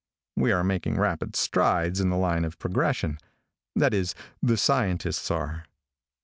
We are making rapid strides in the line of progression. That is, the scientists are.